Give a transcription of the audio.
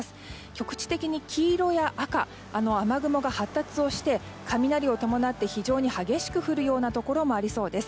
局地的に黄色や赤雨雲が発達をして雷を伴って非常に激しく降るようなところもありそうです。